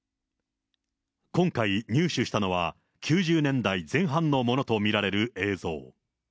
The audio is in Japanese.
今回、入手したのは９０年代前半のものと見られる映像。